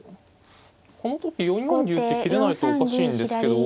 この時４四竜って切れないとおかしいんですけど。